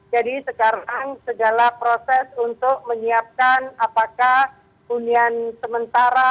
jadi sekarang segala proses untuk menyiapkan apakah unian sementara